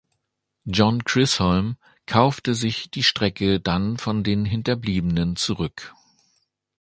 John Chisholm kaufte sich die Strecke dann von den Hinterbliebenen zurück.